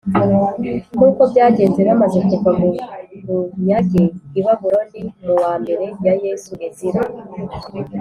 Nk uko byagenze bamaze kuva mu bunyage i babuloni mu wa mbere ya yesu ezira